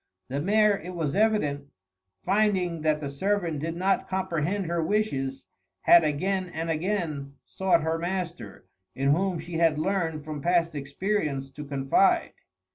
The mare, it was evident, finding that the servant did not comprehend her wishes, had again and again sought her master, in whom she had learned from past experience to confide.